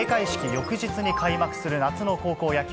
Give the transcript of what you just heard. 翌日に開幕する夏の高校野球。